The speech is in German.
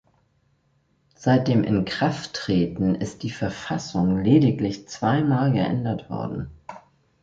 Seit dem Inkrafttreten ist die Verfassung lediglich zweimal geändert worden.